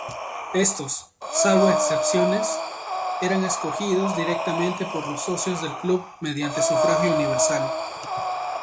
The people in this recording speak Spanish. Estos, salvó excepciones, eran escogidos directamente por los socios del club mediante sufragio universal.